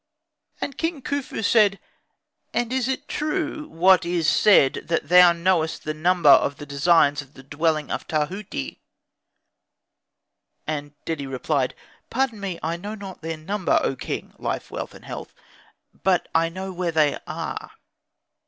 And King Khufu said, "And is it true what is said, that thou knowest the number of the designs of the dwelling of Tahuti?" And Dedi replied, "Pardon me, I know not their number, O king (life, wealth, and health), but I know where they are."